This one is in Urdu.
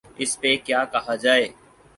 اس پہ کیا کہا جائے؟